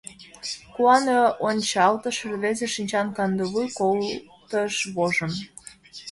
Куанле ончалтыш — Рвезе шинчан кандывуй — Колтыш вожым.